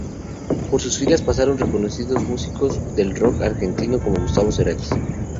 Por sus filas pasaron reconocidos músicos del rock argentino como Gustavo Cerati.